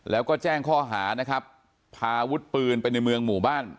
แล้วก็แจ้งข้อหานะครับพาวุฒิปืนไปในเมืองหมู่บ้าน